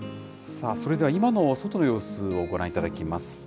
さあ、それでは今の外の様子をご覧いただきます。